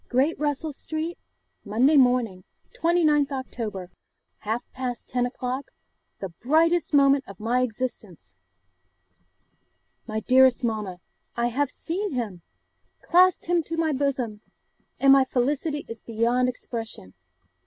'Great Russell Street, Monday Morning, 29th October, half past ten o'clock the brightest moment of my existence! 'MY DEAREST MAMMA, I have seen him, clasped him to my bosom, and my felicity is beyond expression!